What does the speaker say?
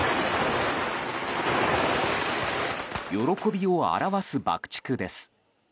喜びを表す爆竹です。